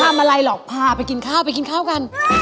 ทำอะไรหรอกพาไปกินข้าวไปกินข้าวกัน